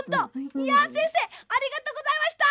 いやせんせいありがとうございました！